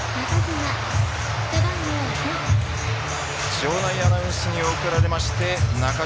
場内アナウンスに送られまして中島